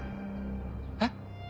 えっ？